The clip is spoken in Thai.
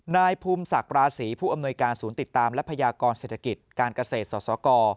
นายภูมิศักดิ์ราศีผู้อำนวยการศูนย์ติดตามและพยากรเศรษฐกิจการเกษตรสสก